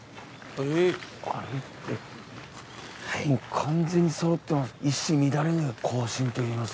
完全に揃ってます。